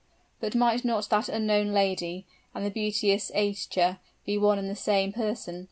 But might not that unknown lady and the beauteous Aischa be one and the same person?